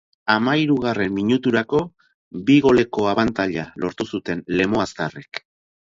Hamahirugarren minuturako bi goleko abantaila lortu zuten lemoaztarrek.